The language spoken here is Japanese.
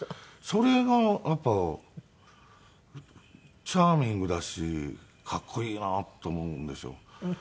それがやっぱりチャーミングだしかっこいいなと思うんですよ。